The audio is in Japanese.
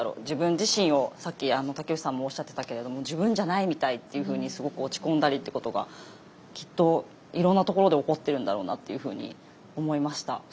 自分自身をさっき武内さんもおっしゃってたけれども自分じゃないみたいっていうふうにすごく落ち込んだりっていうことがきっといろんなところで起こってるんだろうなというふうに思いました。